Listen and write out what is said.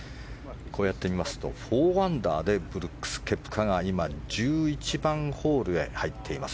こうやって見ますと４アンダーでブルックス・ケプカが今、１１番ホールへ入っています。